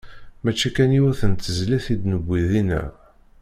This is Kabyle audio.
Mačči kan yiwet n tezlit i d-newwi dinna.